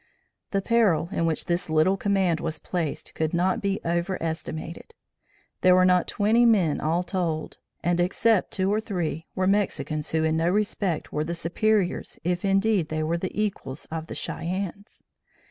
The peril in which this little command was placed could not be overestimated. There were not twenty men all told and except two or three, were Mexicans who in no respect were the superiors if indeed they were the equals of the Cheyennes.